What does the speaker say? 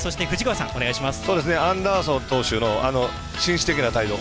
アンダーソン投手の紳士的な態度。